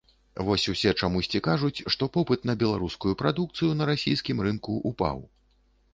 Вось усе чамусьці кажуць, што попыт на беларускую прадукцыю на расійскім рынку ўпаў.